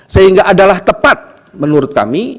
sehingga adalah tepat menurut kami